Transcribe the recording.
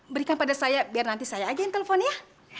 berikan pada saya biar nanti saya aja yang telpon ya